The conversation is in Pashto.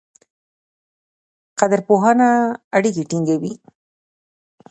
قدرپوهنه اړیکې ټینګوي.